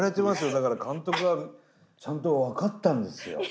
だから監督はちゃんと分かってたんですよ。